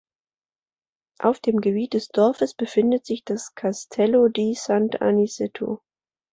Auf dem Gebiet des Dorfes befindet sich das Castello di Sant’Aniceto.